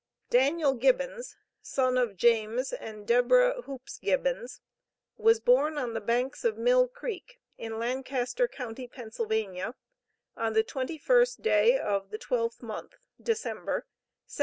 Daniel Gibbons, son of James and Deborah (Hoopes) Gibbons, was born on the banks of Mill Creek, in Lancaster county, Pennsylvania, on the 21st day of the 12th month (December), 1775.